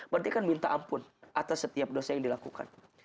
berarti kan minta ampun atas setiap dosa yang dilakukan